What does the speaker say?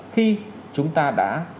khi chúng ta đã